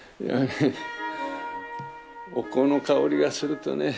お香の香りがするとね